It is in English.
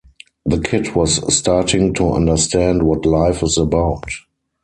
The kid was starting to understand what life is about.